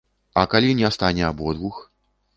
А калі не стане абодвух?